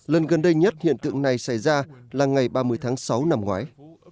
lần gần đây nhất hiện tượng này xảy ra là ngày ba mươi tháng sáu năm ngoái